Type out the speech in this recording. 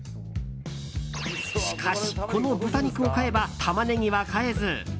しかし、この豚肉を買えばタマネギは買えず。